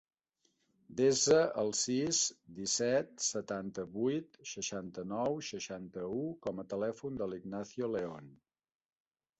Desa el sis, disset, setanta-vuit, seixanta-nou, seixanta-u com a telèfon de l'Ignacio Leon.